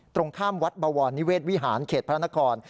ตรงข้ามวัดบวรนิเวศวิหารเขตพระนคร